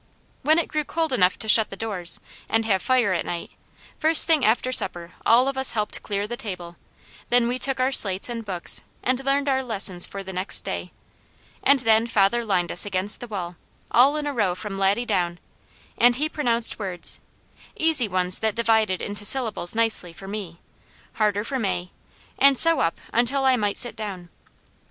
When it grew cold enough to shut the doors, and have fire at night, first thing after supper all of us helped clear the table, then we took our slates and books and learned our lessons for the next day, and then father lined us against the wall, all in a row from Laddie down, and he pronounced words easy ones that divided into syllables nicely, for me, harder for May, and so up until I might sit down.